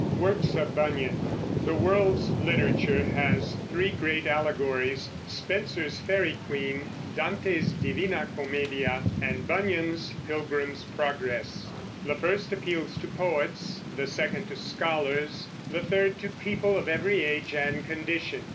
WORKS OF BUNYAN. The world's literature has three great allegories, Spenser's Faery Queen, Dante's Divina Commedia, and Bunyan's Pilgrim's Progress. The first appeals to poets, the second to scholars, the third to people of every age and condition.